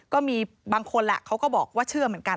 ก็มีบางคนแหละเขาก็บอกว่าเชื่อเหมือนกัน